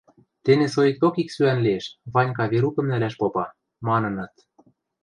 — Тене соикток ик сӱӓн лиэш: Ванька Верукым нӓлӓш попа, — маныныт.